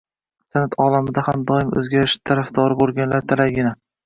San’at olamida ham doimiy o‘zgarish tarafdori bo‘lganlar talaygina